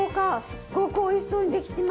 すっごくおいしそうにできてます。